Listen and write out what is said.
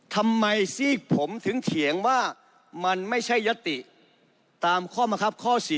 ทำไมซี่ข์ผมถึงเฉียงว่ามันไม่ใช่ยศติตามข้อมะครับข้อ๔๑